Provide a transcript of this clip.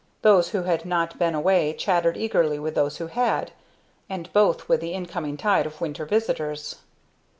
Those who had not been away chattered eagerly with those who had, and both with the incoming tide of winter visitors.